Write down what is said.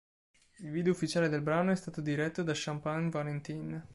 Il video ufficiale del brano è stato diretto da Champagne Valentine.